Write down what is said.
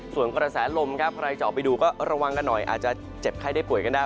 ส่วนกระแสลมครับใครจะออกไปดูก็ระวังกันหน่อยอาจจะเจ็บไข้ได้ป่วยกันได้